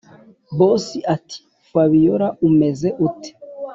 boss ati”fabiora umeze ute”